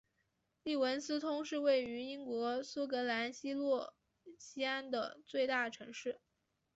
利文斯通是位于英国苏格兰西洛锡安的最大城市。